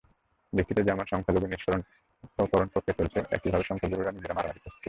দেশটিতে যেমন সংখ্যালঘু নিঃস্বকরণ প্রক্রিয়া চলছে, একইভাবে সংখ্যাগুরুরা নিজেরা মারামারি করছে।